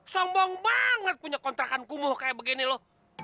sombong banget punya kontrakan kumuh kayak begini loh